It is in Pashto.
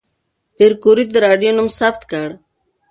پېیر کوري د راډیوم نوم ثبت کړ.